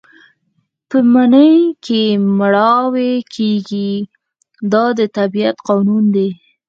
په مني کې مړاوي کېږي دا د طبیعت قانون دی.